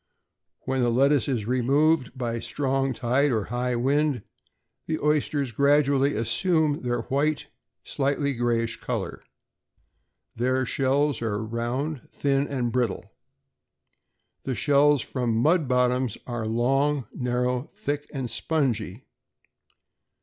When the lettuce is removed by a strong tide or high wind, the oysters gradually assume their white, slightly grayish color. Their shells are round, thin, and brittle. The shells from mud bottoms are long, narrow, thick, and spongy.